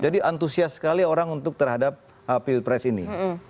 jadi antusias sekali orang untuk terhadap pilpres ini